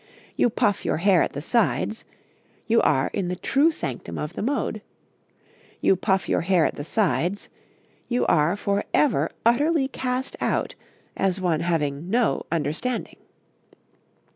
You puff your hair at the sides, you are in the true sanctum of the mode; you puff your hair at the sides, you are for ever utterly cast out as one having no understanding.